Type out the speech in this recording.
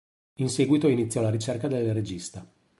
In seguito iniziò la ricerca del regista.